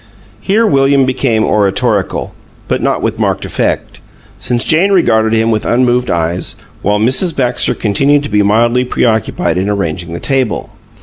Here William became oratorical, but not with marked effect, since Jane regarded him with unmoved eyes, while Mrs. Baxter continued to be mildly preoccupied in arranging the table.